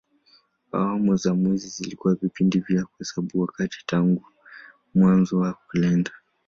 Awamu za mwezi zilikuwa vipindi vya kuhesabu wakati tangu mwanzo wa kalenda.